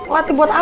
lati buat apa